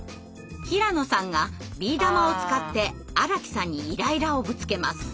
平野さんがビー玉を使って荒木さんにイライラをぶつけます。